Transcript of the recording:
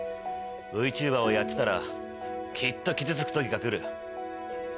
ＶＴｕｂｅｒをやってたらきっと傷つく時が来る。